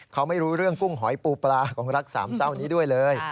เขาไม่รู้เรื่องกุ้งหอยปูปลาของรักสามเศร้านี้ด้วยเลย